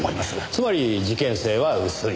つまり事件性は薄い。